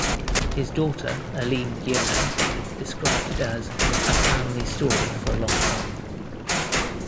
His daughter, Aline Giono, described it as "a family story for a long time".